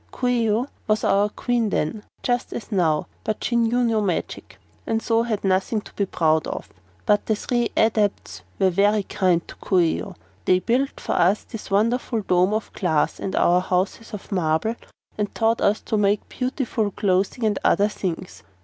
"Coo ee oh was our Queen then, as now, but she knew no magic and so had nothing to be proud of. But the three Adepts were very kind to Coo ee oh. They built for us this wonderful dome of glass and our houses of marble and taught us to make beautiful clothing and many other things.